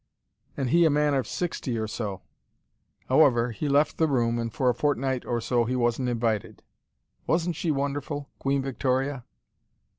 And he a man of sixty or so. However, he left the room and for a fortnight or so he wasn't invited Wasn't she wonderful Queen Victoria?"